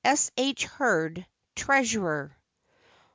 S. H. HURD, Treasurer.